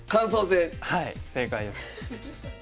はい正解です。